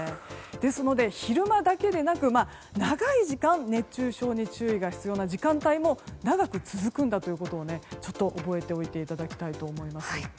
ですので、昼間だけでなく長い時間熱中症に注意が必要な時間帯も長く続くんだということを覚えておいていただきたいと思います。